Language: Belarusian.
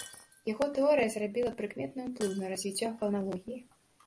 Яго тэорыя зрабіла прыкметны ўплыў на развіццё фаналогіі.